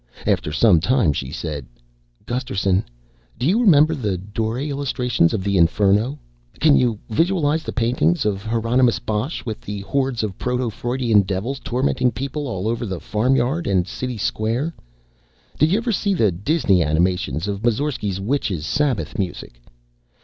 After some time she said, "Gusterson, do you remember the Doré illustrations to the Inferno? Can you visualize the paintings of Hieronymous Bosch with the hordes of proto Freudian devils tormenting people all over the farmyard and city square? Did you ever see the Disney animations of Moussorgsky's witches' sabbath music?